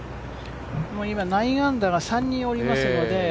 今９アンダーが３人おりますので。